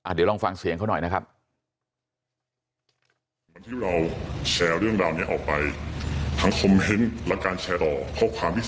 เดี๋ยวลองฟังเสียงเขาหน่อยนะครับ